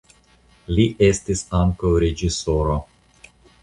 Li estis ankaŭ reĝisoro.